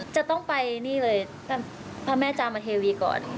จะต้องไปนี่เลยพระแม่จามเทวีก่อน